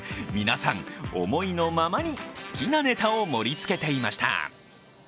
皆さん、思いのままに好きなネタを盛りつけていました。